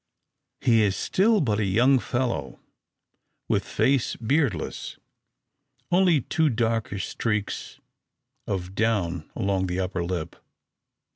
He is still but a young fellow, with face beardless; only two darkish streaks of down along the upper lip.